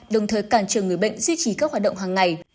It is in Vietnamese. đồng thời cản trở người bệnh duy trì các hoạt động hàng ngày